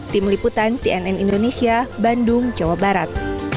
tim liputan cnn indonesia bandung jawa barat